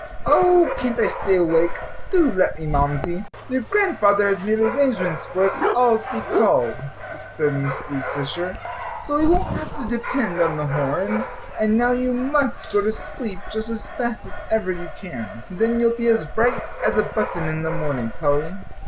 Oh, can't I stay awake? Do let me, Mamsie." "Your Grandfather has made arrangements for us all to be called," said Mrs. Fisher, "so we won't have to depend on the horn, and now you must go to sleep just as fast as ever you can. Then you'll be as bright as a button in the morning, Polly."